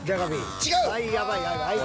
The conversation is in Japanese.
違う。